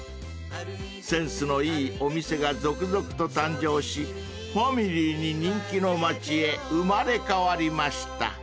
［センスのいいお店が続々と誕生しファミリーに人気の街へ生まれ変わりました］